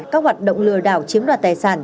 các hoạt động lừa đảo chiếm đoạt tài sản